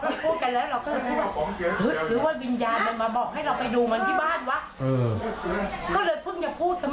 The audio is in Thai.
แล้วก็พูดกันแล้วเราก็เลยบอกหึหรือว่าวิญญาณมันมาบอกให้เราไปดูมันที่บ้านวะ